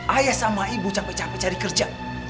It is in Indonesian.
ayah sama ibu capek capek cari kerja